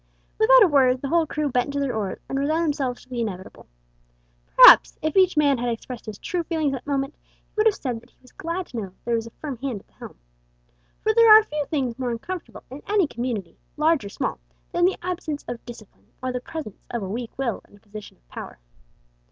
Without a word the whole crew bent to their oars, and resigned themselves to the inevitable. Perhaps if each man had expressed his true feelings at that moment he would have said that he was glad to know there was a firm hand at the helm. For there are few things more uncomfortable in any community, large or small, than the absence of discipline, or the presence of a weak will in a position of power.